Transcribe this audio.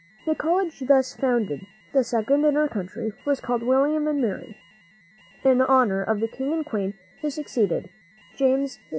The college thus founded the second in our country was called William and Mary, in honor of the king and queen who succeeded James II.